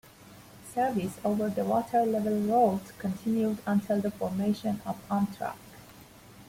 Service over the Water Level Route continued until the formation of Amtrak.